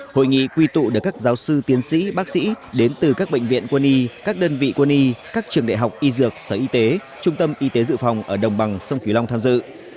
hội nghị quy tụ được các giáo sư tiến sĩ bác sĩ đến từ các bệnh viện quân y các đơn vị quân y các trường đại học y dược sở y tế trung tâm y tế dự phòng ở đồng bằng sông kiều long tham dự